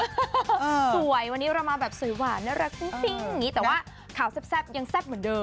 สวยวันนี้เรามาแบบสวยหวานน่ารักปิ้งอย่างนี้แต่ว่าข่าวแซ่บยังแซ่บเหมือนเดิม